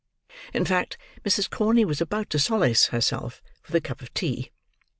In fact, Mrs. Corney was about to solace herself with a cup of tea.